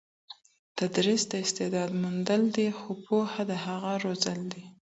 تدریس د استعداد موندل دي خو پوهنه د هغې روزل دي.